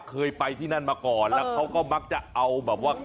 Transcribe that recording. เคยไปที่นั่นมาก่อนแล้วเขาก็มักจะเอาแบบว่า